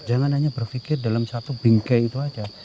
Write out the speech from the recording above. jangan hanya berpikir dalam satu bingkai itu saja